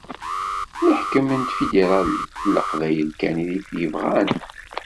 Leḥkem n tafidiralit d Leqbayel kan i t-yebɣan...